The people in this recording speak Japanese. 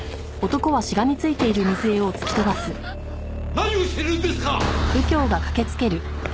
何をしているんですか！